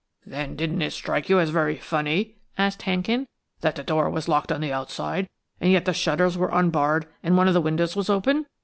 "Then, didn't it strike you as very funny," asked Hankin, "that the door was locked on the outside, and yet that the shutters were unbarred and one of the windows was open?"